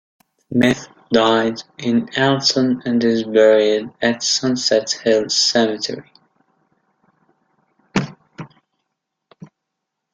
Smith died in Alton and is buried at Sunset Hill Cemetery.